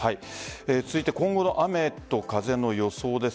続いて今後の雨と風の予想です。